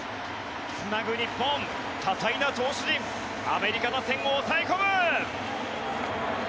つなぐ日本、多彩な投手陣アメリカ打線を抑え込む。